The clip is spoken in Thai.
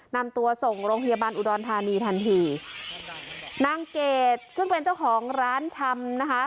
นำตัวส่งโรงพยาบาลอุดรธานีทันทีนางเกดซึ่งเป็นเจ้าของร้านชำนะคะ